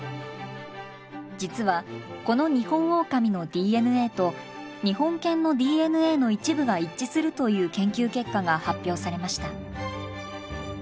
実はこのニホンオオカミのＤＮＡと日本犬のＤＮＡの一部が一致するという研究結果が発表されました。